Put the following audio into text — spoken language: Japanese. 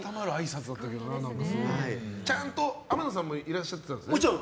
ちゃんと天野さんもいらしてたんですね。